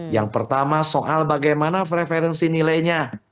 yang pertama soal bagaimana preferensi nilainya